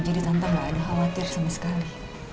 jadi tante gak ada khawatir sama sekali